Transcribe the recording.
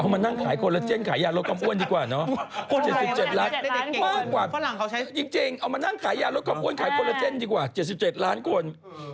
มานั่งขายโคลาเจนขายยาลดความอ้วนดีกว่าเนาะ๗๗ล้านมากกว่าจริงเอามานั่งขายยาลดความอ้วนขายคนละเจนดีกว่า๗๗ล้านคน